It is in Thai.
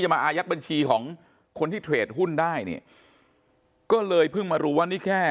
มาอายัดบัญชีของคนที่เทรดหุ้นได้เนี่ยก็เลยเพิ่งมารู้ว่านี่แค่